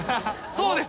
そうです。